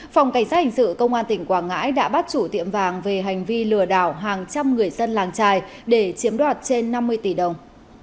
phòng cảnh sát hình sự công an tỉnh quảng ngãi đã bắt chủ tiệm vàng về hành vi lừa đảo hàng trăm người dân làng trài để chiếm đoạt trên năm mươi tỷ đồng